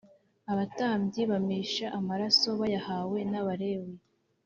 abatambyi bamisha amaraso bayahawe n Abalewi